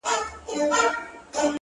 اور يې وي په سترگو کي لمبې کوې!